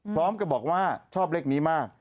พร้อมกับบอกว่าชอบเลขนี้มาก